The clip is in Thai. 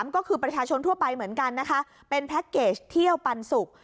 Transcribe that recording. ก็คือประชาชนทั่วไปเหมือนกันนะคะเป็นแพ็คเกจเที่ยวปันสุก